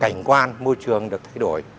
cảnh quan môi trường được thay đổi